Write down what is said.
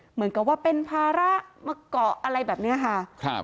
เหมือนกับว่าเป็นภาระมาเกาะอะไรแบบนี้ค่ะ